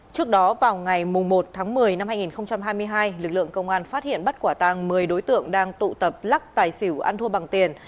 trước đó vào ngày một tháng một mươi năm hai nghìn hai mươi hai lực lượng công an phát hiện bắt quả tàng một mươi đối tượng đang tụ tập lắc tài xỉu ăn thua bằng tiền